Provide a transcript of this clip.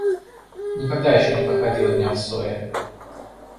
Никогда еще не проходило дня в ссоре.